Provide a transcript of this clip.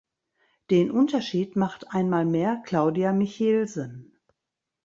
Den Unterschied macht einmal mehr Claudia Michelsen.